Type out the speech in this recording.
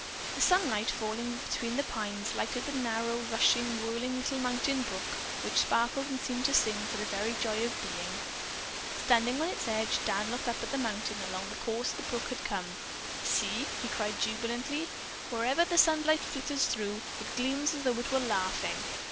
The sunlight, falling between the pines, lighted the narrow, rushing, whirling little mountain brook, which sparkled and seemed to sing for the very joy of being. Standing on its edge, Dan looked up the mountain along the course the brook had come. "See," he cried jubilantly, "wherever the sunlight filters through, it gleams as though it were laughing.